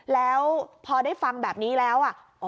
แล้วพอได้ฟังแบบนี้แล้ว